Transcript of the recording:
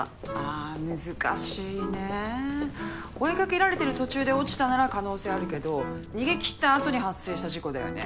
あ難しいね追いかけられてる途中で落ちたなら可能性あるけど逃げきったあとに発生した事故だよね？